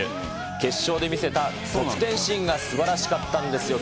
決勝で見せた得点シーンがすばらしかったんですよ。